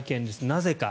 なぜか。